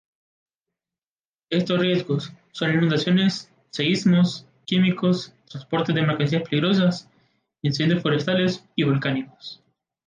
Estos riesgos son inundaciones, seísmos, químicos, transportes de mercancías peligrosas, incendios forestales y volcánicos.